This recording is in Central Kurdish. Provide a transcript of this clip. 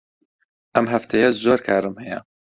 ئەم هەفتەیە زۆر کارم هەیە.